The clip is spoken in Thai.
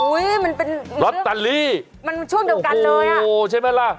อุ้ยมันเป็นรถตัดลีมันช่วงเดียวกันเลยอะโอ้โหใช่ไหมล่ะ